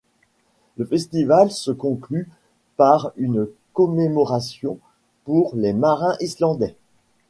Le festival se conclut par une commémoration pour les marins islandais.